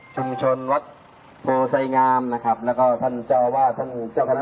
ช่วงชนวัดโปไไงัมนะครับแล้วก็ท่านเจ้าว่าท่านเจ้า